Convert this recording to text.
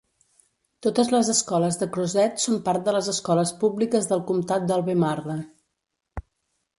Totes les escoles de Crozet són part de les escoles públiques del comtat de Albemarle.